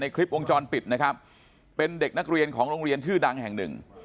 คลิปวงจรปิดนะครับเป็นเด็กนักเรียนของโรงเรียนชื่อดังแห่งหนึ่ง